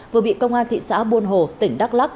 vừa bị công an thị xã buôn hồ tỉnh đắk lắc